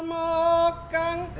sma dua bantul